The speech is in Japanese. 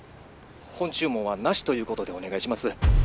本注文はなしということでお願いします。